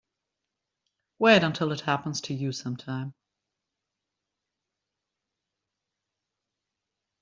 Wait until it happens to you sometime.